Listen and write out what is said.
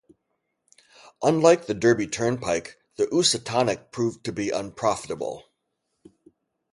Unlike the Derby Turnpike, the Ousatonic proved to be unprofitable.